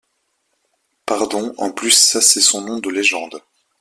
Pardon en plus ça c’est son nom de légende.